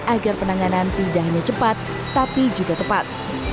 agar penanganan tidak hanya cepat tapi juga tepat